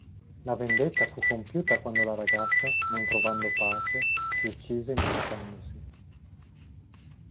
La vendetta fu compiuta quando la ragazza, non trovando pace, si uccise impiccandosi.